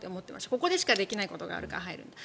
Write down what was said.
ここでしかできないことがあるから入るんだと。